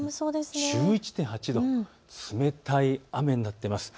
１１．８度、冷たい雨になっています。